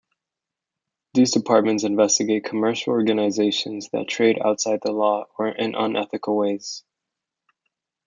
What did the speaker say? These departments investigate commercial organisations that trade outside the law or in unethical ways.